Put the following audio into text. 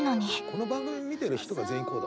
この番組見てる人が全員こう。